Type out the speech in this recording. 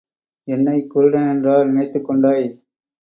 என்னைக் குருடனென்றா நினைத்துக் கொண்டாய்?